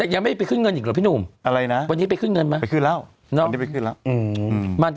ยังไม่ไปขึ้นเงินหรือพี่หนุ่มอะไรนะวันนี้ไปขึ้นเงินเปล่าไปขึ้นแล้ว